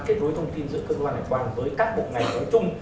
kết nối thông tin giữa cơ quan hải quan với các bộ ngành nói chung